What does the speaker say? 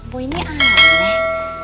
boy ini aneh deh